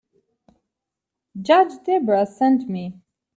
Judge Debra sent me.